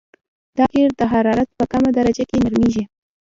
دا قیر د حرارت په کمه درجه کې نرمیږي